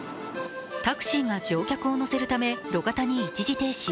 タクシーが乗客を乗せるため路肩に一時停止。